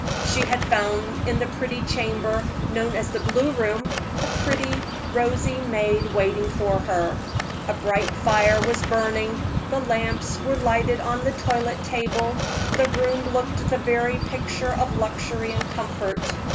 She had found in the pretty chamber, known as the blue room, a pretty, rosy maid waiting for her; a bright fire was burning, the lamps were lighted on the toilet table: the room looked the very picture of luxury and comfort.